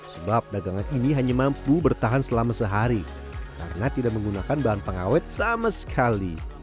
sebab dagangan ini hanya mampu bertahan selama sehari karena tidak menggunakan bahan pengawet sama sekali